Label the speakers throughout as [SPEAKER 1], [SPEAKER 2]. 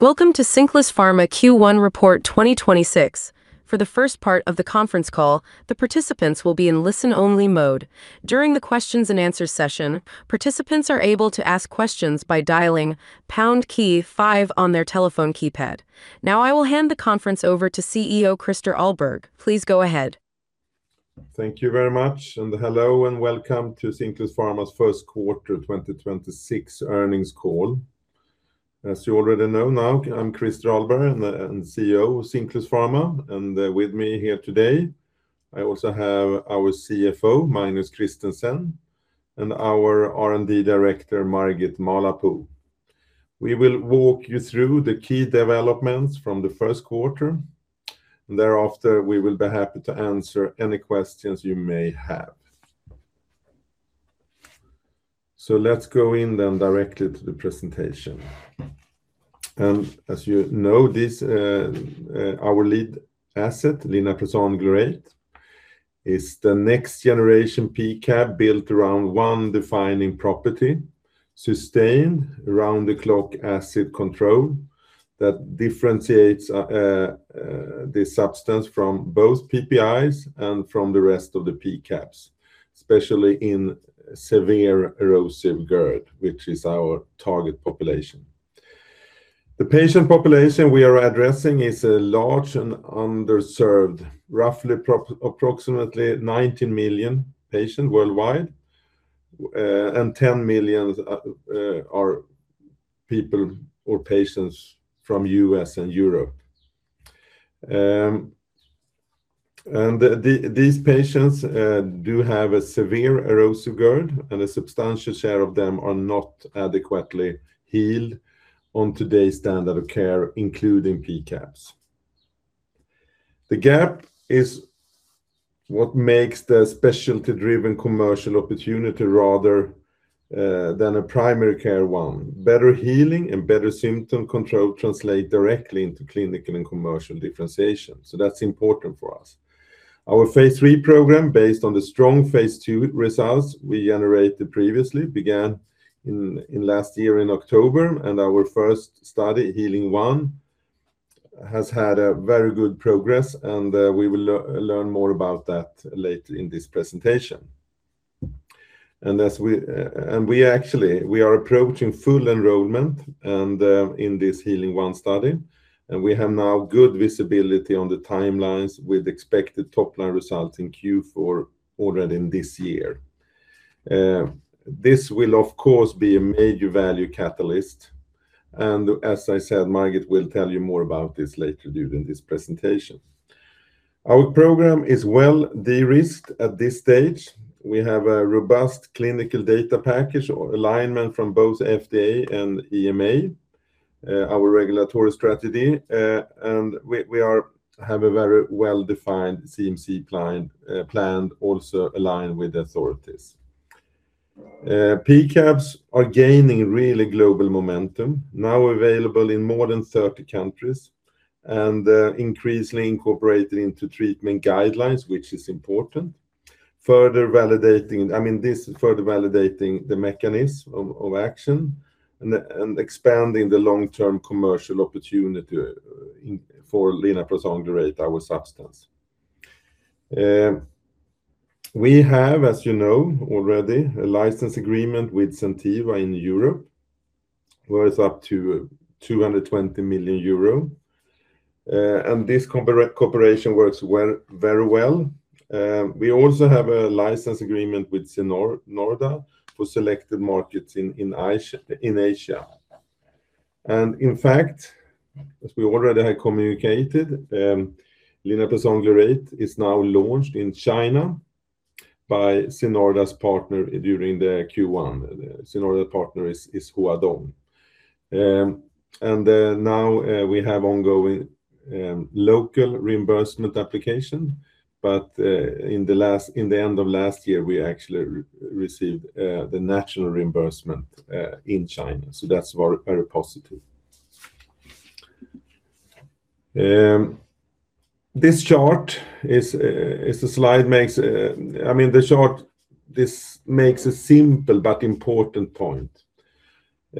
[SPEAKER 1] Welcome to Cinclus Pharma Q1 report 2026. For the first part of the conference call, the participants will be in listen-only mode. During the questions and answers session, participants are able to ask questions by dialing pound key five on their telephone keypad. Now, I will hand the conference over to CEO Christer Ahlberg. Please go ahead.
[SPEAKER 2] Thank you very much, hello, and welcome to Cinclus Pharma's first quarter 2026 earnings call. As you already know now, I'm Christer Ahlberg and CEO of Cinclus Pharma, and with me here today, I also have our CFO, Magnus Christensen, and our R&D Director, Margit Mahlapuu. We will walk you through the key developments from the first quarter, and thereafter, we will be happy to answer any questions you may have. Let's go in then directly to the presentation. As you know, this, our lead asset, linaprazan glurate, is the next generation PCAB built around one defining property, sustained around-the-clock acid control that differentiates the substance from both PPIs and from the rest of the PCABs, especially in severe erosive GERD, which is our target population. The patient population we are addressing is large and underserved, approximately 19 million patients worldwide, and 10 million are people or patients from U.S. and Europe. These patients do have a severe eGERD, and a substantial share of them are not adequately healed on today's standard of care, including PCABs. The gap is what makes the specialty-driven commercial opportunity rather than a primary care one. Better healing and better symptom control translate directly into clinical and commercial differentiation. That's important for us. Our phase III program, based on the strong phase II results we generated previously, began last year in October, and our first study, HEEALING 1, has had a very good progress, and we will learn more about that later in this presentation. We actually are approaching full enrollment in this HEEALING 1 study, and we have now good visibility on the timelines with expected top-line results in Q4 already in this year. This will, of course, be a major value catalyst, and as I said, Margit will tell you more about this later during this presentation. Our program is well de-risked at this stage. We have a robust clinical data package or alignment from both FDA and EMA, our regulatory strategy, and we have a very well-defined CMC plan also aligned with authorities. PCABs are gaining really global momentum, now available in more than 30 countries and increasingly incorporated into treatment guidelines, which is important. Further validating the mechanism of action and expanding the long-term commercial opportunity for linaprazan glurate, our substance. We have, as you know already, a license agreement with Zentiva in Europe, worth up to 220 million euro, and this cooperation works very well. We also have a license agreement with Sinorda for selected markets in Asia. In fact, as we already had communicated, linaprazan glurate is now launched in China by Sinorda's partner during the Q1. Sinorda partner is Huadong. Now, we have ongoing local reimbursement application, in the end of last year, we actually re-received the national reimbursement in China, that's very, very positive. This chart is the slide makes, I mean, the chart, this makes a simple but important point.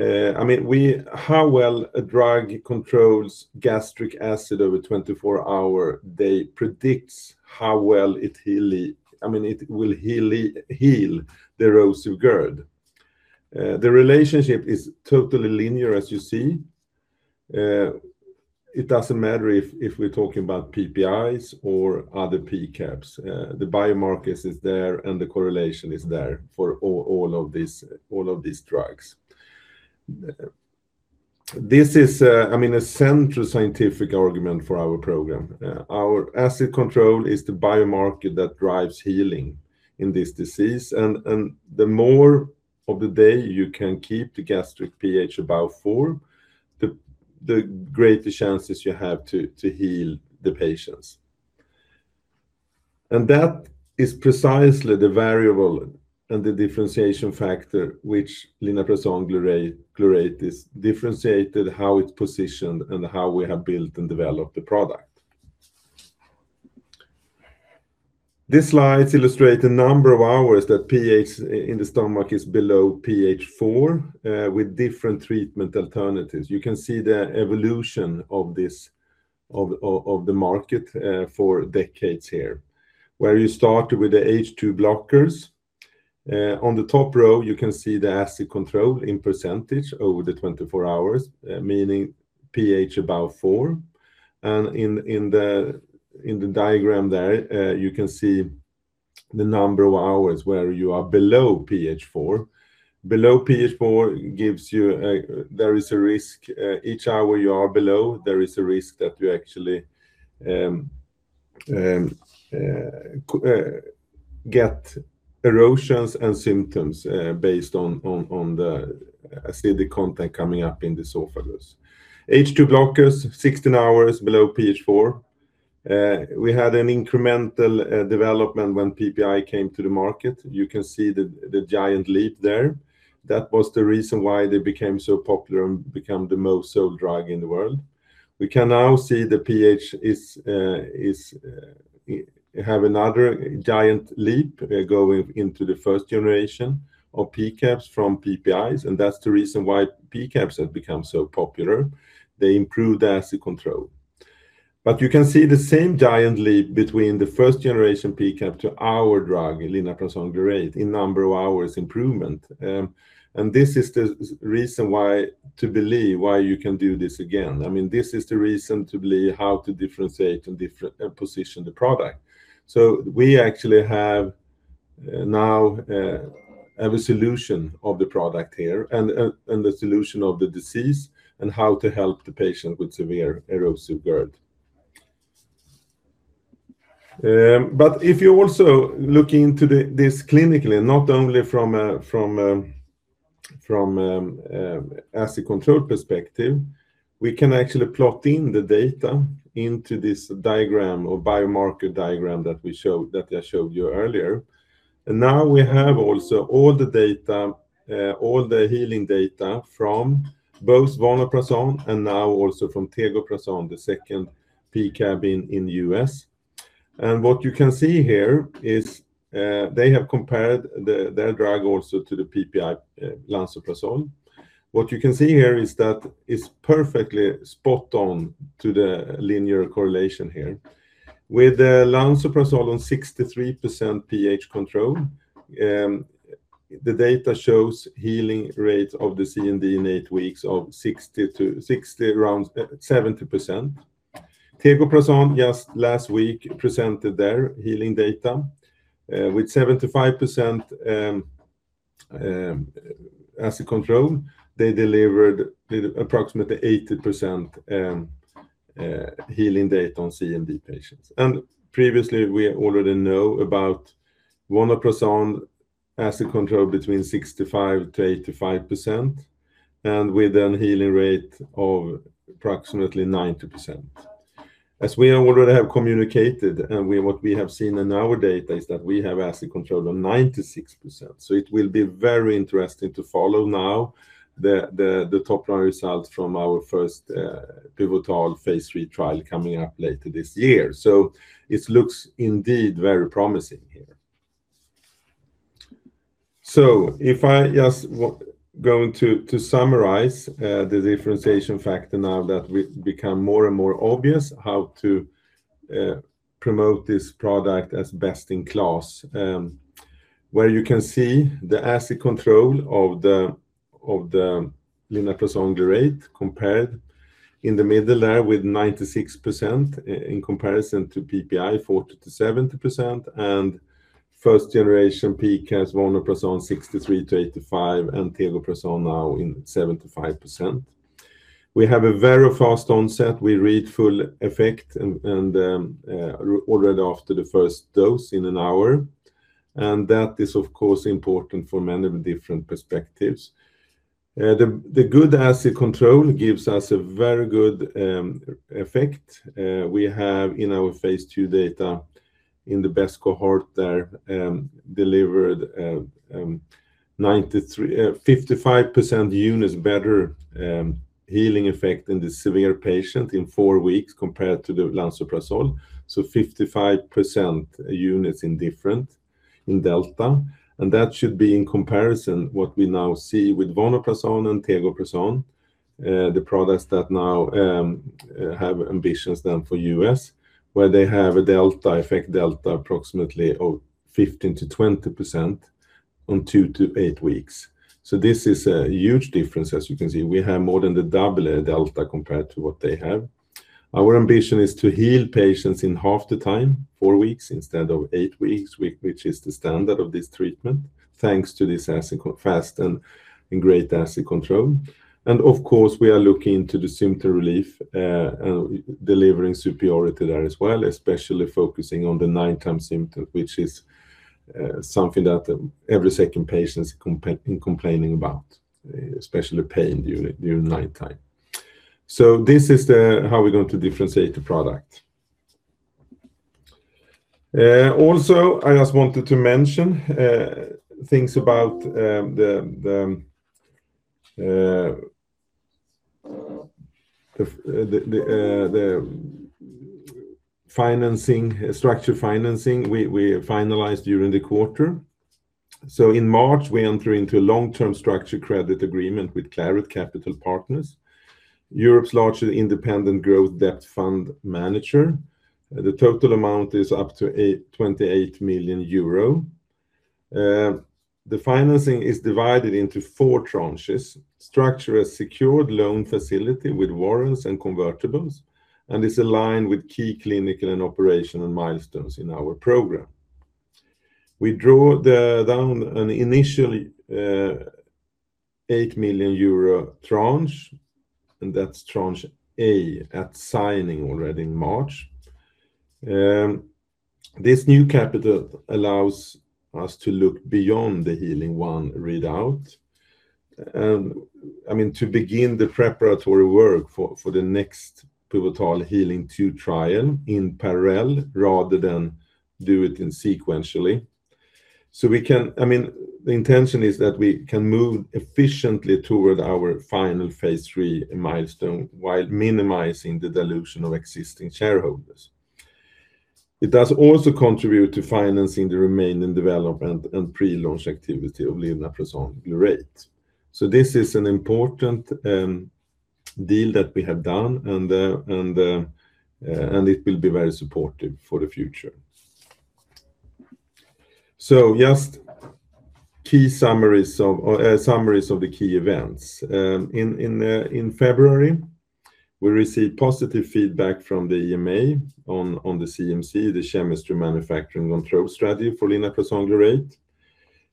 [SPEAKER 2] I mean, how well a drug controls gastric acid over 24-hour, they predicts how well it heal I mean, it will heal the erosive GERD. The relationship is totally linear, as you see. It doesn't matter if we're talking about PPIs or other PCABs. The biomarkers is there, and the correlation is there for all of these drugs. This is, I mean, a central scientific argument for our program. Our acid control is the biomarker that drives healing in this disease, and the more of the day you can keep the gastric pH above four, the greater chances you have to heal the patients. That is precisely the variable and the differentiation factor which linaprazan glurate is differentiated, how it's positioned and how we have built and developed the product. This slide illustrates the number of hours that pH in the stomach is below pH 4, with different treatment alternatives. You can see the evolution of this of the market, for decades here, where you start with the H2 blockers. On the top row, you can see the acid control in percentage over the 24 hours, meaning pH above four. In the diagram there, you can see the number of hours where you are below pH 4. Below pH 4, there is a risk, each hour you are below, there is a risk that you actually get erosions and symptoms, based on the acidic content coming up in the esophagus. H2 blockers, 16 hours below pH 4. We had an incremental development when PPI came to the market. You can see the giant leap there. That was the reason why they became so popular and become the most sold drug in the world. We can now see the pH have another giant leap going into the first generation of PCABS from PPIs, and that's the reason why PCABS have become so popular. They improve the acid control. You can see the same giant leap between the first generation PCAB to our drug, linaprazan glurate, in number of hours improvement. This is the reason why to believe why you can do this again. I mean, this is the reason to believe how to differentiate and position the product. We actually have now have a solution of the product here and a solution of the disease and how to help the patient with severe erosive GERD. If you also look into this clinically, not only from an acid control perspective, we can actually plot in the data into this diagram or biomarker diagram that I showed you earlier. Now we have also all the healing data from both vonoprazan and now also from tegoprazan, the second PCAB in the U.S. What you can see here is they have compared their drug also to the PPI, lansoprazole. What you can see here is that it's perfectly spot on to the linear correlation here. With the lansoprazole on 63% pH control, the data shows healing rates of the LA Grade C/D in eight weeks of 60%-70%. Tegoprazan just last week presented their healing data with 75% acid control. They delivered approximately 80% healing data on LA Grade C/D patients. Previously, we already know about vonoprazan acid control between 65%-85%, and with a healing rate of approximately 90%. As we already have communicated and what we have seen in our data is that we have acid control of 96%. It will be very interesting to follow now the top-line results from our first pivotal phase III trial coming up later this year. It looks indeed very promising here. If I just go into to summarize the differentiation factor now that we become more and more obvious how to promote this product as best in class, where you can see the acid control of the linaprazan glurate compared in the middle there with 96% in comparison to PPI, 40%-70%, and first generation PCABs, vonoprazan, 63%-85%, and tegoprazan now in 75%. We have a very fast onset. We read full effect already after the first dose in an hour. That is, of course, important from many different perspectives. The good acid control gives us a very good effect. We have in our phase II data in the best cohort there, delivered 93%, 55% units better healing effect in the severe patient in four weeks compared to the lansoprazole. 55% units in different in delta, that should be in comparison what we now see with vonoprazan and tegoprazan, the products that now have ambitions then for U.S., where they have a delta effect, delta approximately of 15%-20% on two-eight weeks. This is a huge difference as you can see. We have more than the double delta compared to what they have. Our ambition is to heal patients in half the time, four weeks instead of eight weeks, which is the standard of this treatment, thanks to this fast and great acid control. Of course, we are looking to the symptom relief, delivering superiority there as well, especially focusing on the nighttime symptom, which is something that every second patient is complaining about, especially pain during nighttime. This is how we're going to differentiate the product. Also, I just wanted to mention things about the structure financing we finalized during the quarter. In March, we enter into a long-term structure credit agreement with Claret Capital Partners, Europe's largest independent growth debt fund manager. The total amount is up to 28 million euro. The financing is divided into four tranches. Structure a secured loan facility with warrants and convertibles, and is aligned with key clinical and operational milestones in our program. We draw the an initially 8 million euro tranche, and that's Tranche A at signing already in March. This new capital allows us to look beyond the HEEALING 1 readout. I mean, to begin the preparatory work for the next pivotal HEEALING 2 trial in parallel rather than do it sequentially. I mean, the intention is that we can move efficiently toward our final phase III milestone while minimizing the dilution of existing shareholders. It does also contribute to financing the remaining development and pre-launch activity of linaprazan glurate. This is an important deal that we have done, and it will be very supportive for the future. Just summaries of the key events. In February, we received positive feedback from the EMA on the CMC, the Chemistry, Manufacturing, and Control strategy for linaprazan glurate.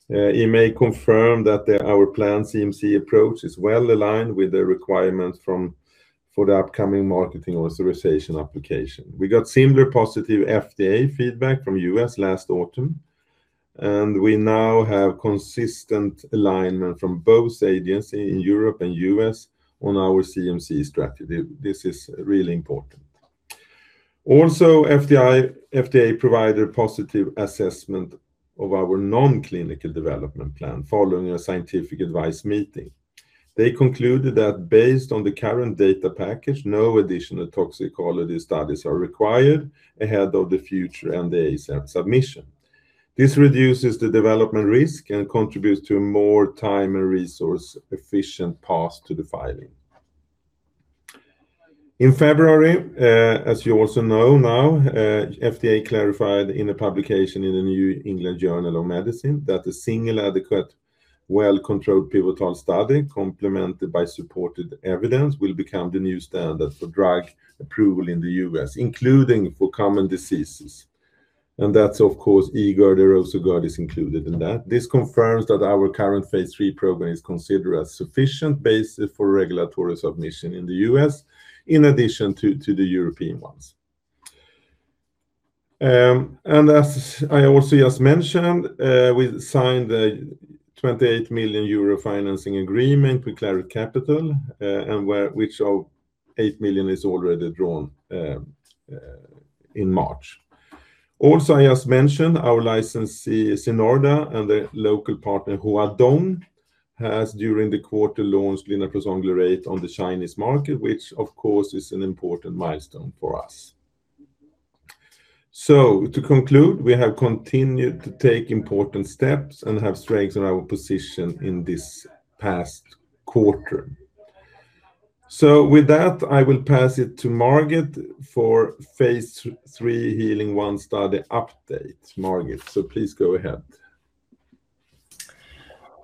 [SPEAKER 2] EMA confirmed that our plan CMC approach is well aligned with the requirements for the upcoming Marketing Authorization Application. We got similar positive FDA feedback from U.S. last autumn. We now have consistent alignment from both agencies in Europe and U.S. on our CMC strategy. This is really important. Also, FDA provided positive assessment of our non-clinical development plan following a scientific advice meeting. They concluded that based on the current data package, no additional toxicology studies are required ahead of the future NDA submission. This reduces the development risk and contributes to a more time and resource-efficient path to the filing. In February, as you also know now, FDA clarified in a publication in the New England Journal of Medicine that a single adequate, well-controlled pivotal study complemented by supported evidence will become the new standard for drug approval in the U.S., including for common diseases. That's, of course, eGERD, erosive GERD is included in that. This confirms that our current phase III program is considered as sufficient basis for regulatory submission in the U.S. in addition to the European ones. As I also just mentioned, we signed the 28 million euro financing agreement with Claret Capital, and which, 8 million is already drawn in March. I just mentioned our licensee, Sinorda, and the local partner, Huadong, has during the quarter launched linaprazan glurate on the Chinese market, which of course is an important milestone for us. To conclude, we have continued to take important steps and have strengthened our position in this past quarter. With that, I will pass it to Margit for phase III HEEALING 1 study update. Margit, please go ahead.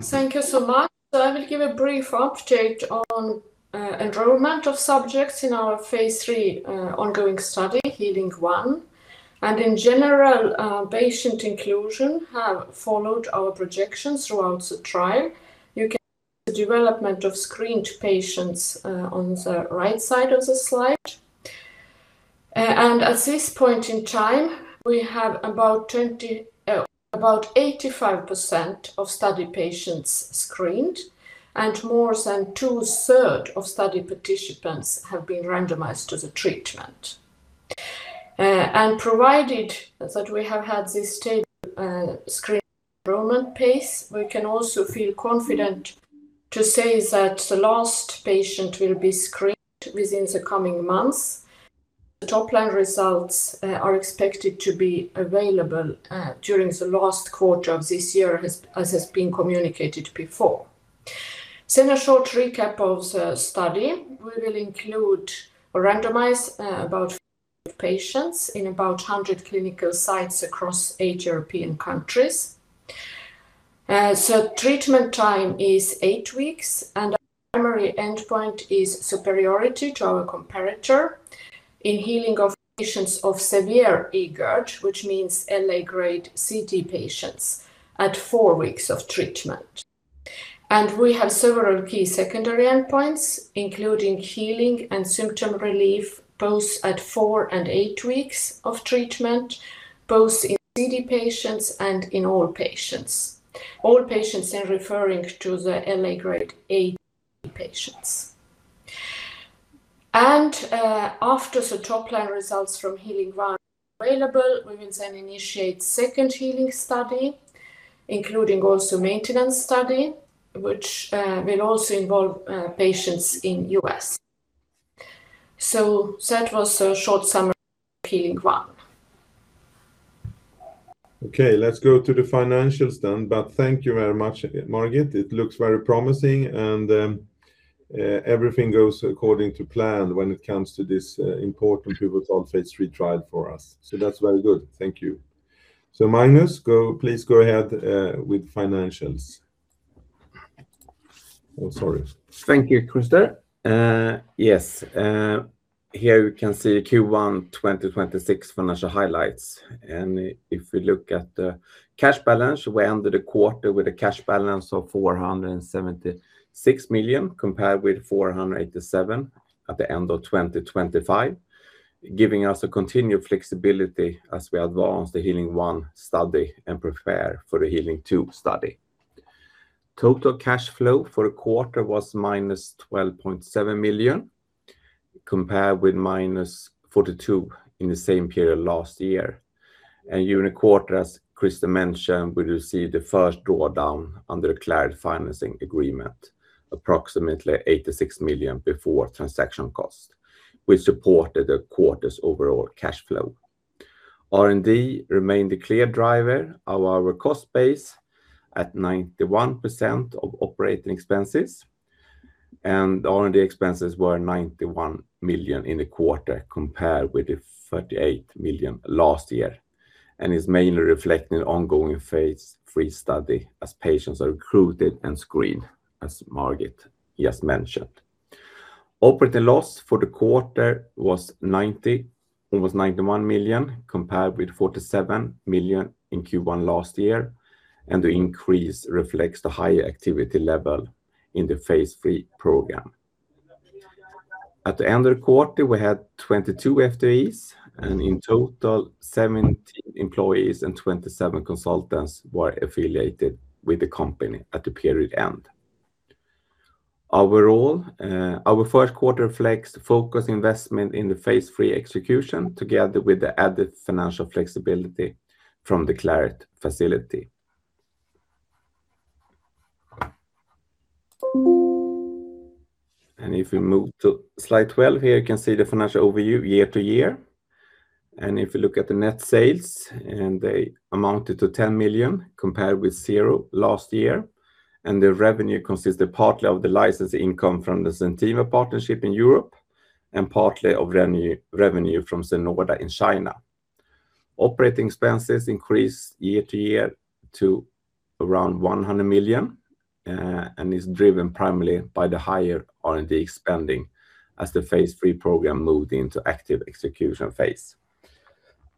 [SPEAKER 3] Thank you so much. I will give a brief update on enrollment of subjects in our phase III ongoing study, HEEALING 1. In general, patient inclusion have followed our projections throughout the trial. You can see the development of screened patients on the right side of the slide. At this point in time, we have about 85% of study patients screened, and more than two third of study participants have been randomized to the treatment. Provided that we have had this steady screen enrollment pace, we can also feel confident to say that the last patient will be screened within the coming months. The top-line results are expected to be available during the last quarter of this year as has been communicated before. In a short recap of the study, we will include or randomize about patients in about 100 clinical sites across eight European countries. Treatment time is eight weeks, and our primary endpoint is superiority to our comparator in healing of patients of severe eGERD, which means L.A. Grade C/D patients at four weeks of treatment. We have several key secondary endpoints, including healing and symptom relief, both at four and eight weeks of treatment, both in C/D patients and in all patients. All patients are referring to the L.A. Grade A patients. After the top-line results from HEEALING 1, we will initiate second healing study, including also maintenance study, which will also involve patients in U.S. That was a short summary of HEEALING 1.
[SPEAKER 2] Okay, let's go to the financials then. Thank you very much, Margit. It looks very promising and everything goes according to plan when it comes to this important pivotal phase III trial for us. That's very good. Thank you. Magnus, go, please go ahead with financials. Oh, sorry.
[SPEAKER 4] Thank you, Christer. Here we can see the Q1 2026 financial highlights. If we look at the cash balance, we ended the quarter with a cash balance of 476 million, compared with 487 million at the end of 2025, giving us a continued flexibility as we advance the HEEALING 1 study and prepare for the HEEALING 2 study. Total cash flow for the quarter was minus 12.7 million, compared with minus 42 million in the same period last year. During the quarter, as Christer mentioned, we received the first draw down under the Claret financing agreement, approximately 86 million before transaction cost, which supported the quarter's overall cash flow. R&D remained the clear driver of our cost base at 91% of operating expenses. R&D expenses were 91 million in the quarter compared with 38 million last year, and is mainly reflecting the ongoing phase III study as patients are recruited and screened, as Margit just mentioned. Operating loss for the quarter was almost 91 million, compared with 47 million in Q1 last year. The increase reflects the higher activity level in the phase III program. At the end of the quarter, we had 22 FTEs. In total, 17 employees and 27 consultants were affiliated with the company at the period end. Overall, our first quarter reflects focused investment in the phase III execution together with the added financial flexibility from the Claret facility. If we move to slide 12, here you can see the financial overview year-to-year. If you look at the net sales, they amounted to 10 million compared with zero last year. The revenue consisted partly of the license income from the Zentiva partnership in Europe and partly of reni-revenue from Sinorda in China. Operating expenses increased year-over-year to around 100 million and is driven primarily by the higher R&D spending as the phase III program moved into active execution phase.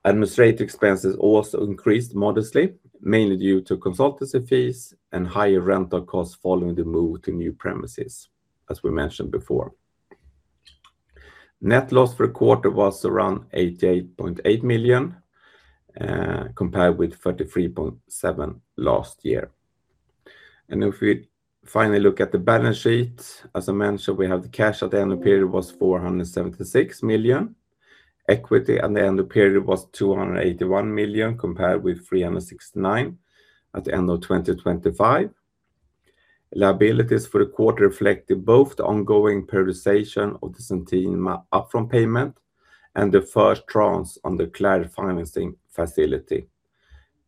[SPEAKER 4] Administrative expenses also increased modestly, mainly due to consultancy fees and higher rental costs following the move to new premises, as we mentioned before. Net loss for the quarter was around 88.8 million compared with 33.7 last year. If we finally look at the balance sheet, as I mentioned, we have the cash at the end of period was 476 million. Equity at the end of period was 281 million, compared with 369 million at the end of 2025. Liabilities for the quarter reflected both the ongoing pressurization of the Zentiva upfront payment and the first tranche on the Claret financing facility.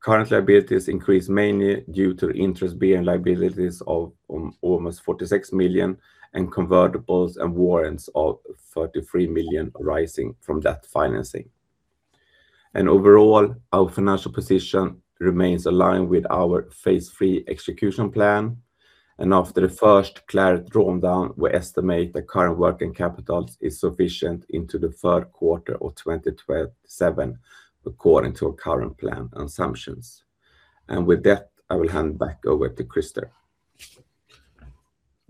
[SPEAKER 4] Current liabilities increased mainly due to interest-bearing liabilities of almost 46 million and convertibles and warrants of 33 million arising from that financing. Overall, our financial position remains aligned with our phase III execution plan. After the first Claret draw down, we estimate the current working capital is sufficient into the third quarter of 2027 according to our current plan assumptions. With that, I will hand back over to Christer.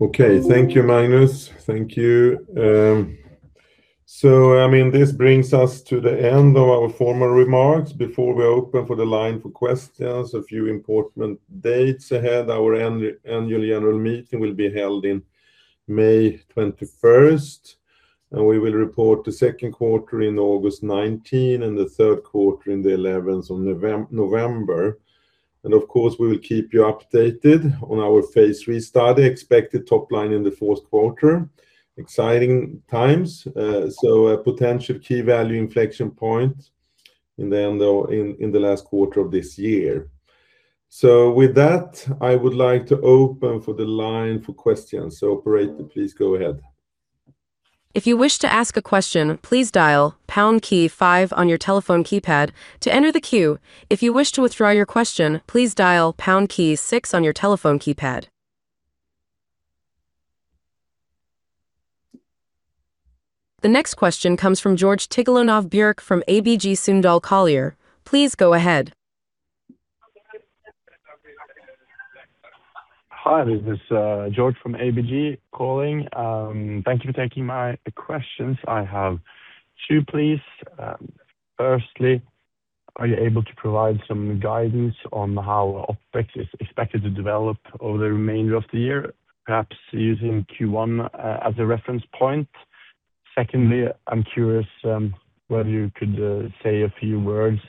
[SPEAKER 2] Okay. Thank you, Magnus. Thank you. I mean, this brings us to the end of our formal remarks. Before we open for the line for questions, a few important dates ahead. Our annual general meeting will be held in May 21st. We will report the second quarter in August 19 and the third quarter in November 11th. Of course, we will keep you updated on our phase III study, expected top-line in the fourth quarter. Exciting times. A potential key value inflection point in the last quarter of this year. With that, I would like to open for the line for questions. Operator, please go ahead.
[SPEAKER 1] The next question comes from Georg Tigalonov-Bjerke from ABG Sundal Collier. Please go ahead.
[SPEAKER 5] Hi, this is George from ABG calling. Thank you for taking my questions. I have two, please. Are you able to provide some guidance on how OpEx is expected to develop over the remainder of the year, perhaps using Q1 as a reference point? Secondly, I'm curious, whether you could say a few words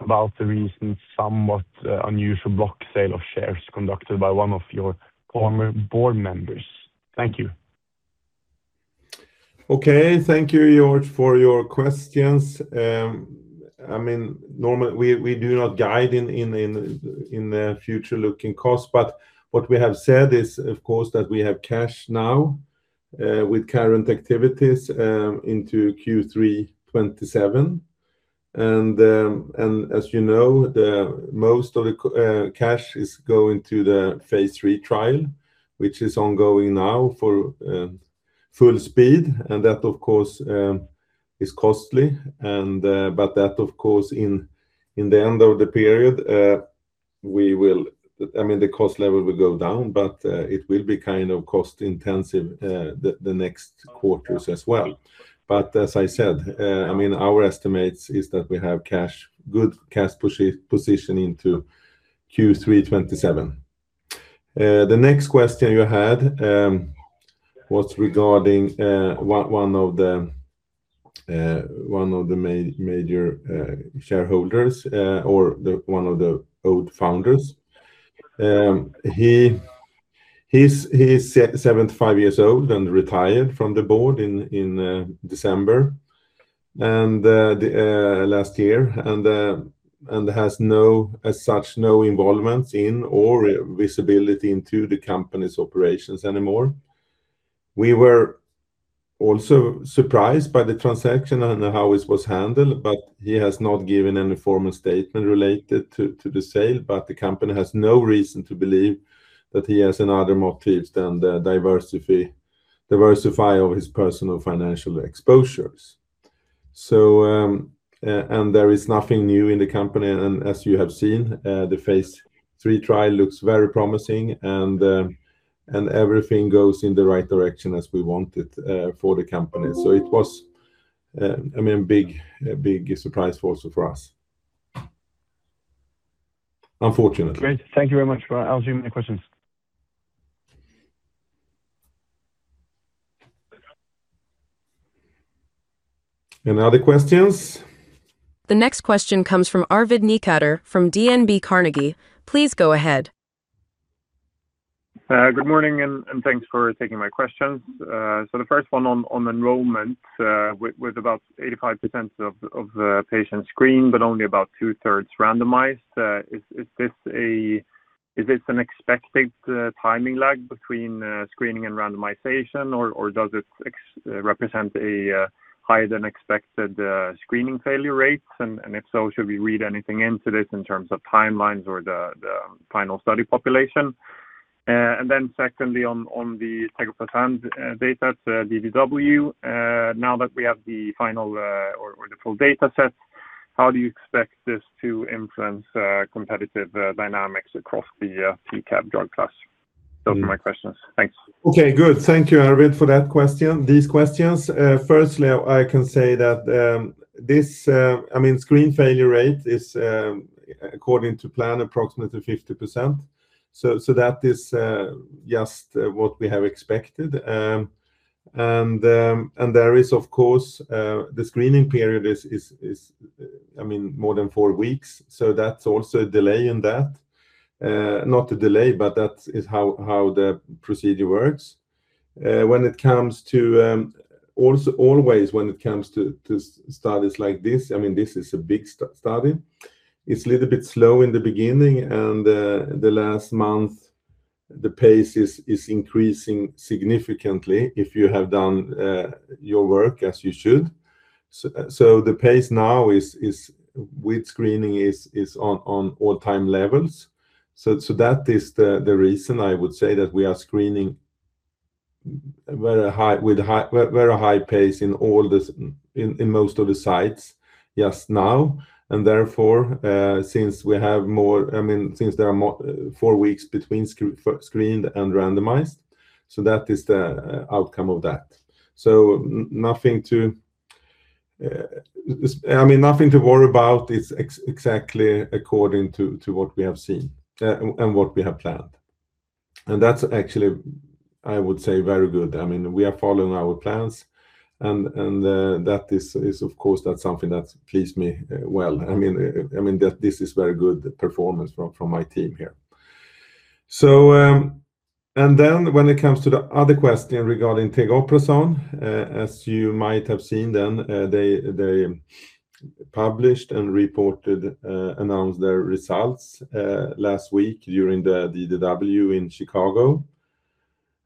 [SPEAKER 5] about the recent somewhat unusual block sale of shares conducted by one of your former board members. Thank you.
[SPEAKER 2] Thank you, George, for your questions. Normally we do not guide in future-looking costs, what we have said is, of course, that we have cash now with current activities into Q3 2027. As you know, most of the cash is going to the phase III trial, which is ongoing now for full speed, that, of course, is costly. That of course in the end of the period, the cost level will go down, it will be kind of cost-intensive the next quarters as well. As I said, our estimates is that we have cash, good cash position into Q3 2027. The next question you had was regarding 1 of the major shareholders, or one of the old founders. He's 75 years old and retired from the board in December last year and has no, as such, no involvement in or visibility into the company's operations anymore. We were also surprised by the transaction and how it was handled, but he has not given any formal statement related to the sale, but the company has no reason to believe that he has any other motives than diversify all his personal financial exposures. There is nothing new in the company, and as you have seen, the phase III trial looks very promising and everything goes in the right direction as we want it for the company. It was, I mean, a big surprise also for us. Unfortunately.
[SPEAKER 5] Great. Thank you very much for answering my questions.
[SPEAKER 2] Any other questions?
[SPEAKER 1] The next question comes from Arvid Necander from DNB Carnegie. Please go ahead.
[SPEAKER 6] Good morning, and thanks for taking my questions. The first one on enrollment, with about 85% of the patients screened, but only about 2/3 randomized. Is this an expected timing lag between screening and randomization or does it represent a higher-than-expected screening failure rates? If so, should we read anything into this in terms of timelines or the final study population? Secondly, on the tegoprazan data to DDW, now that we have the final or the full data set, how do you expect this to influence competitive dynamics across the PCAB drug class? Those are my questions. Thanks.
[SPEAKER 2] Okay. Good. Thank you, Arvid, for that question, these questions. Firstly, I can say that, I mean, screen failure rate is according to plan, approximately 50%. That is just what we have expected. There is of course, the screening period is, I mean, more than four weeks, so that's also a delay in that. Not a delay, but that is how the procedure works. When it comes to also always when it comes to studies like this, I mean, this is a big study. It's a little bit slow in the beginning and the last month, the pace is increasing significantly if you have done your work as you should. The pace now is with screening is on all-time levels. That is the reason I would say that we are screening very high, with very high pace in most of the sites just now. Therefore, since we have more, I mean, since there are more 4 weeks between screened and randomized, that is the outcome of that. Nothing to, I mean, nothing to worry about. It's exactly according to what we have seen and what we have planned. That's actually, I would say, very good. I mean, we are following our plans and that is of course, that's something that please me well. I mean, that this is very good performance from my team here. When it comes to the other question regarding tegoprazan, as you might have seen then, they published and reported, announced their results last week during the DDW in Chicago.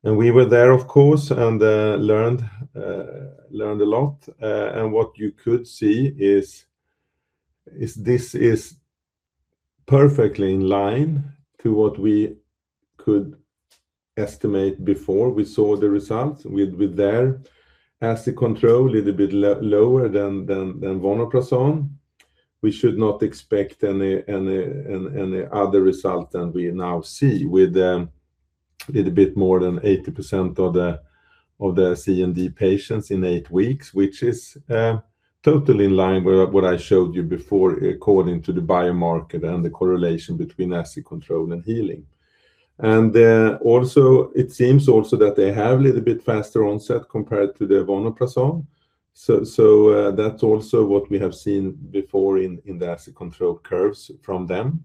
[SPEAKER 2] We were there, of course, and learned a lot. What you could see is this is perfectly in line to what we could estimate before we saw the results with their acid control a little bit lower than vonoprazan. We should not expect any other result than we now see with Little bit more than 80% of the LA Grade C/D patients in eight weeks, which is totally in line with what I showed you before according to the biomarker and the correlation between acid control and healing. Also it seems that they have a little bit faster onset compared to the vonoprazan. That's also what we have seen before in the acid control curves from them.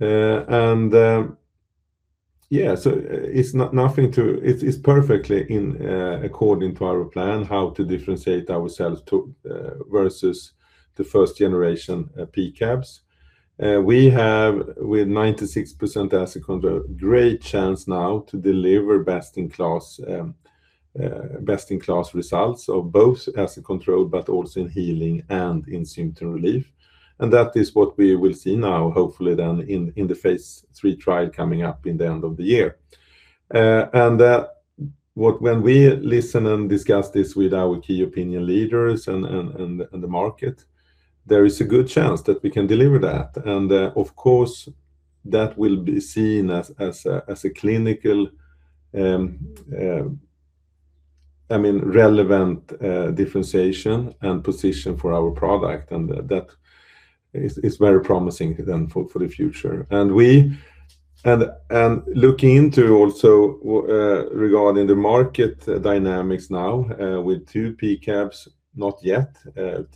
[SPEAKER 2] It's perfectly in according to our plan how to differentiate ourselves versus the first generation PCABs. We have with 96% acid control, great chance now to deliver best in class best in class results of both acid control but also in healing and in symptom relief. That is what we will see now, hopefully then in the phase III trial coming up in the end of the year. When we listen and discuss this with our key opinion leaders and the market, there is a good chance that we can deliver that. Of course, that will be seen as a clinical, I mean, relevant differentiation and position for our product. That is very promising then for the future. Looking into also regarding the market dynamics now with two PCABs, not yet,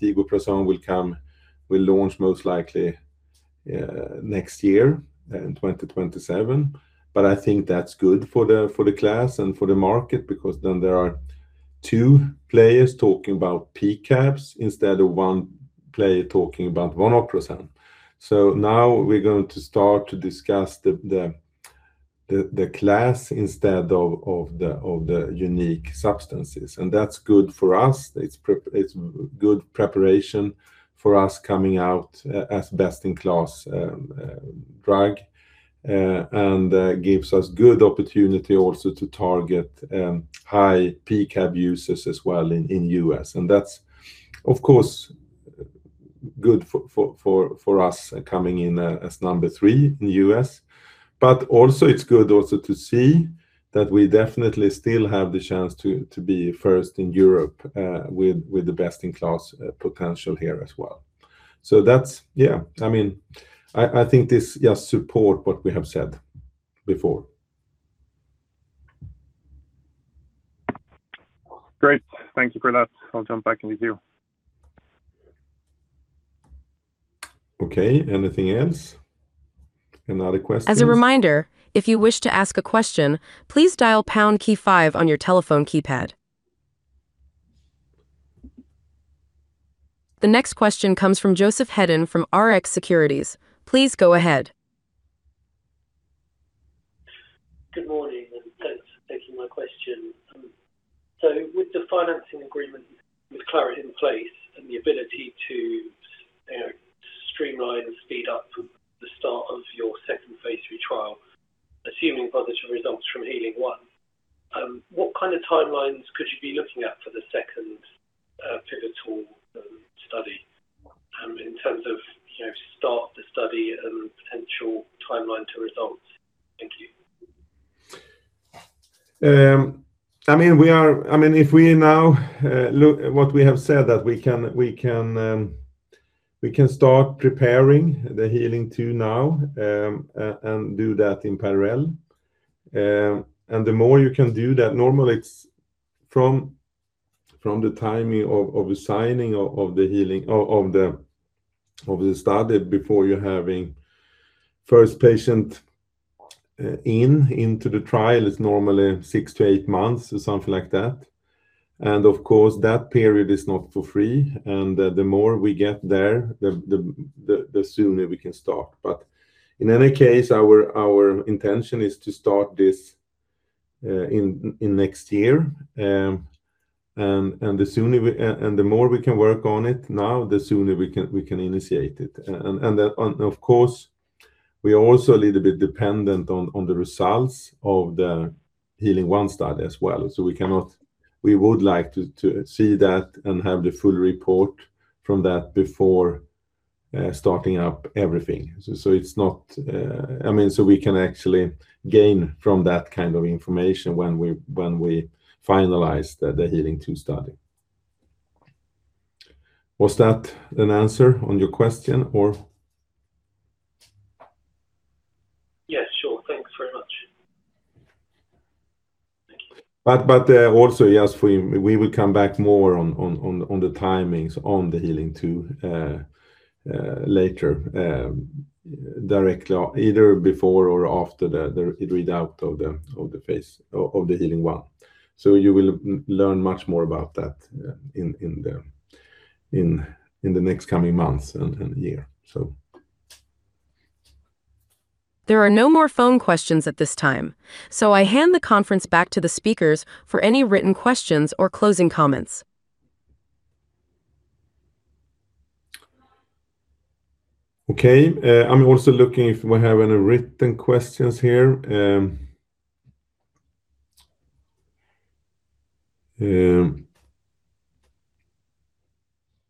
[SPEAKER 2] tegoprazan will launch most likely next year in 2027. I think that's good for the class and for the market because then there are two players talking about PCABs instead of one player talking about vonoprazan. Now we're going to start to discuss the class instead of the unique substances, and that's good for us. It's good preparation for us coming out as best-in-class drug, and gives us good opportunity also to target high PCAB users as well in U.S. That's, of course, good for us coming in as number three in the U.S. Also it's good also to see that we definitely still have the chance to be first in Europe with the best-in-class potential here as well. That's I mean, I think this just support what we have said before.
[SPEAKER 6] Great. Thank you for that. I'll jump back in with you.
[SPEAKER 2] Okay. Anything else? Any other questions?
[SPEAKER 1] As a reminder, if you wish to ask a question, please dial pound key five on your telephone keypad. The next question comes from Joseph Hedden from Rx Securities. Please go ahead.
[SPEAKER 7] Good morning, and thanks for taking my question. With the financing agreement with Claret in place and the ability to, you know, streamline and speed up the start of your second Phase III trial, assuming positive results from HEEALING 1, what kind of timelines could you be looking at for the second pivotal study, in terms of, you know, start the study and potential timeline to results? Thank you.
[SPEAKER 2] I mean, we are I mean, if we now look what we have said that we can start preparing the HEEALING 2 now and do that in parallel. The more you can do that, normally it's from the timing of the signing of the healing of the study before you're having first patient into the trial is normally six to eight months or something like that. Of course, that period is not for free. The more we get there, the sooner we can start. In any case, our intention is to start this in next year. The sooner we and the more we can work on it now, the sooner we can initiate it. Of course, we are also a little bit dependent on the results of the HEEALING 1 study as well. We would like to see that and have the full report from that before starting up everything. I mean, we can actually gain from that kind of information when we finalize the HEEALING 2 study. Was that an answer on your question or?
[SPEAKER 7] Yes, sure. Thanks very much. Thank you.
[SPEAKER 2] Also, yes, we will come back more on the timings on HEEALING 2 later, directly either before or after the readout of the phase I of HEEALING 1. You will learn much more about that in the next coming months and year.
[SPEAKER 1] There are no more phone questions at this time, so I hand the conference back to the speakers for any written questions or closing comments.
[SPEAKER 2] Okay. I'm also looking if we have any written questions here.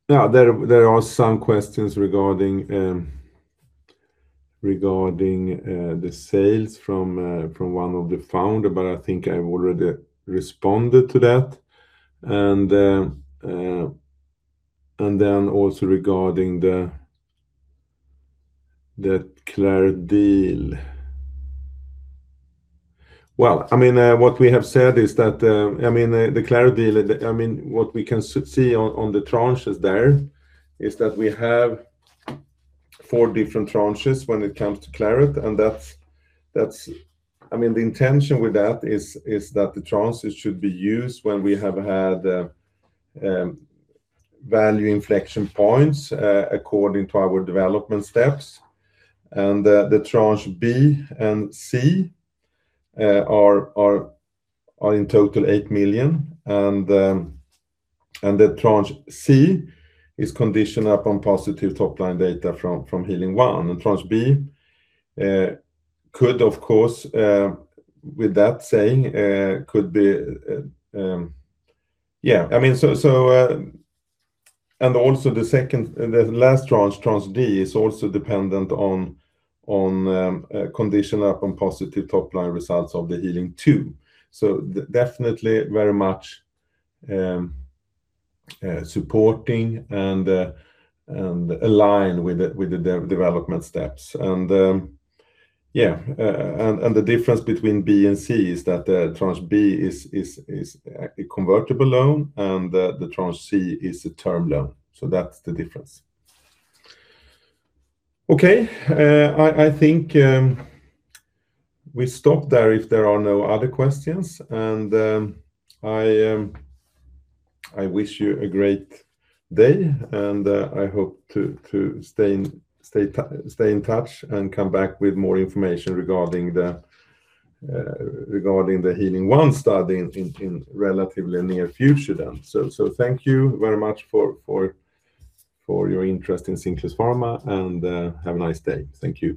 [SPEAKER 2] Now there are some questions regarding the sales from one of the founder, but I think I've already responded to that. Also regarding the Claret deal. Well, I mean, what we have said is that, I mean, the Claret deal, I mean, what we can see on the tranches there is that we have 4 different tranches when it comes to Claret and that's I mean, the intention with that is that the tranches should be used when we have had value inflection points according to our development steps. The Tranche B and C are in total 8 million. The Tranche C is conditioned upon positive top-line data from HEEALING 1. I mean, and also the second, the last Tranche D, is also dependent on condition upon positive top-line results of HEEALING 2. Definitely very much supporting and aligned with the development steps. The difference between B and C is that Tranche B is a convertible loan and the Tranche C is a term loan. That's the difference. Okay. I think we stop there if there are no other questions. I wish you a great day and I hope to stay in touch and come back with more information regarding the HEEALING 1 study in relatively near future then. Thank you very much for your interest in Cinclus Pharma and have a nice day. Thank you.